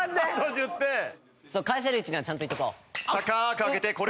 返せる位置にはちゃんと行っておこう。